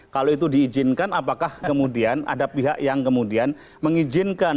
kalau itu diizinkan apakah kemudian ada pihak yang kemudian mengizinkan